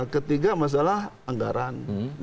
ketiga masalah anggaran